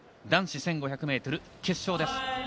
男子１５００ｍ決勝です。